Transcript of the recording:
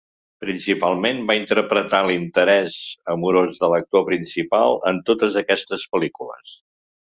Principalment va interpretar l'interès amorós de l'actor principal en totes aquestes pel·lícules.